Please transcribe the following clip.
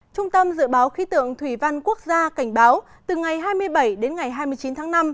trung tâm dự báo khí tượng thủy văn quốc gia cảnh báo từ ngày hai mươi bảy đến ngày hai mươi chín tháng năm